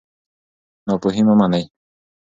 ناپوهي مه منئ.